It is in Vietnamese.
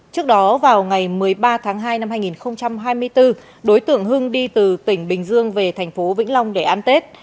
trước đó vào ngày một mươi ba tháng hai năm hai nghìn hai mươi bốn đối tượng hưng đi từ tỉnh bình dương về thành phố vĩnh long để ăn tết